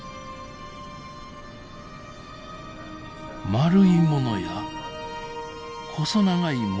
丸いものや細長いものなど。